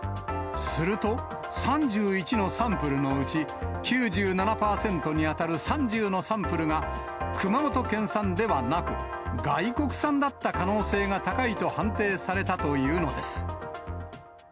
すると、３１のサンプルのうち、９７％に当たる３０のサンプルが、熊本県産ではなく、外国産だった可能性が高いと判定されたというのです。